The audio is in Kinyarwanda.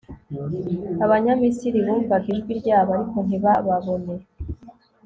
abanyamisiri bumvaga ijwi ryabo ariko ntibababone